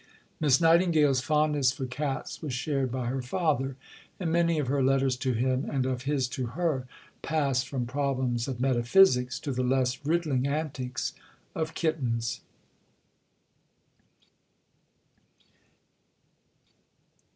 Miss Nightingale's fondness for cats was shared by her father, and many of her letters to him, and of his to her, pass from problems of metaphysics to the less riddling antics of kittens.